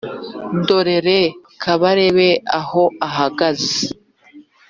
Dore re kabarebe aho ahagaze